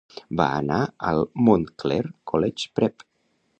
Va anar al Montclair College Prep.